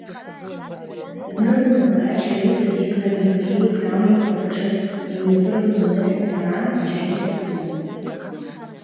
Зны-зынла Гач аҩыза Виқтор Михаил-иԥа амҩақәа рҿы имҩаԥыргоз аныҳәақәа раан џьаргьы дцаӡомызт.